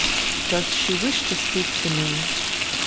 "Does she wish to speak to me?"